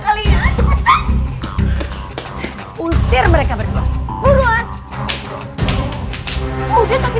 aku harus kemana lagi